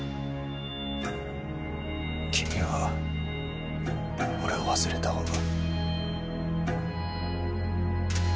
君は俺を忘れた方が。